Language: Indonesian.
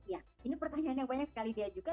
ya ini pertanyaan yang banyak sekali dia juga